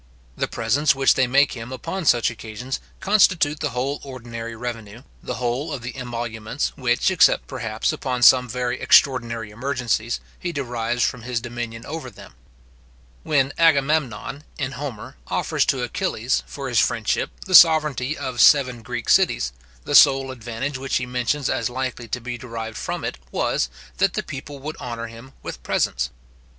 The presents which they make him upon such occasions constitute the whole ordinary revenue, the whole of the emoluments which, except, perhaps, upon some very extraordinary emergencies, he derives from his dominion over them. When Agamemnon, in Homer, offers to Achilles, for his friendship, the sovereignty of seven Greek cities, the sole advantage which he mentions as likely to be derived from it was, that the people would honour him with presents.